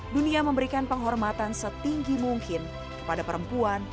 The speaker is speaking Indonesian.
dunia memberikan penghormatan setinggi mungkin kepada perempuan